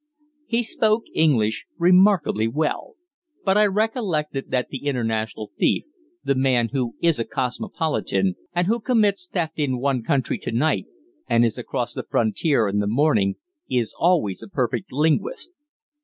He spoke English remarkably well. But I recollected that the international thief the man who is a cosmopolitan, and who commits theft in one country to night, and is across the frontier in the morning is always a perfect linguist.